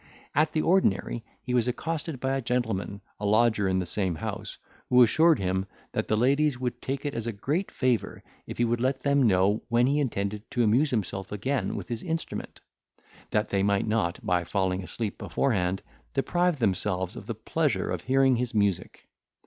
At the ordinary, he was accosted by a gentleman, a lodger in the same house, who assured him, that the ladies would take it as a great favour if he would let them know when he intended to amuse himself again with his instrument, that they might not, by falling asleep beforehand, deprive themselves of the pleasure of hearing his music.